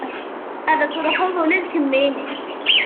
Ad truḥeḍ ula d kemmini.